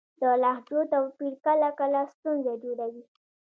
د لهجو توپیر کله کله ستونزه جوړوي.